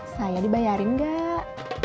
saya dibayarin gak